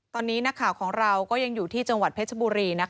ตอนนี้นักข่าวของเราก็ยังอยู่ที่จังหวัดเพชรบุรี